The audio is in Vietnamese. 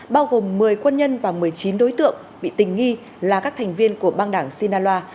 bao gồm một mươi quân nhân và một mươi chín đối tượng bị tình nghi là các thành viên của băng đảng sinaloa